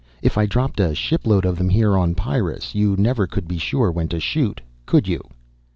If I dropped a shipload of them here on Pyrrus, you never could be sure when to shoot, could you?"